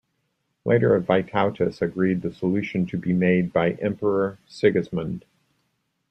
Later Vytautas agreed the solution to be made by Emperor Sigismund.